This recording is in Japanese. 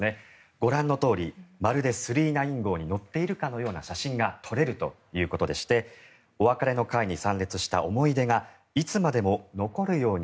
ご覧のとおりまるで９９９号に乗っているかのような写真が撮れるということでしてお別れの会に参列した思い出がいつまでも残るように